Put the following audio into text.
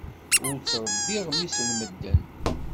Ur ttrebbiɣ mmi-s n medden.